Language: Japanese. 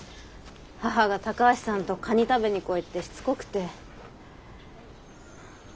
母が「高橋さんとカニ食べに来い」ってしつこくて。